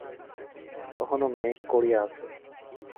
তখনও মেঘ করিয়া আছে।